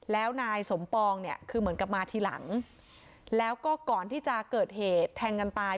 แล้วนายสมปองเนี่ยคือเหมือนกับมาทีหลังแล้วก็ก่อนที่จะเกิดเหตุแทงกันตาย